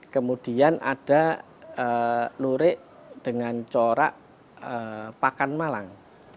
kemudian ada lurik dengan corak pakan malang